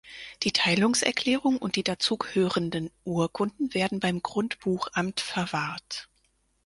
Die Teilungserklärung und die dazugehörenden Urkunden werden beim Grundbuchamt verwahrt.